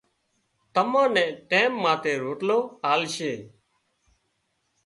تمان نين ٽيم ماٿي روٽلو آلشي